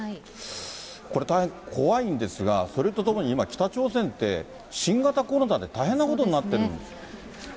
これ、大変怖いんですが、それとともに今、北朝鮮って、新型コロナで大変なことになってる。